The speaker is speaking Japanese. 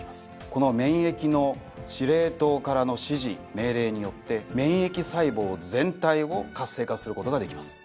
この免疫の司令塔からの指示命令によって免疫細胞全体を活性化することができます。